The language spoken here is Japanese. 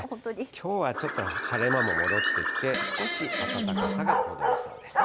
きょうはちょっと晴れ間も戻ってきて、少し、暖かさが戻りそうです。